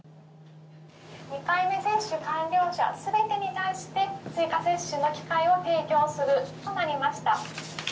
２回目接種完了者すべてに対して、追加接種の機会を提供するとなりました。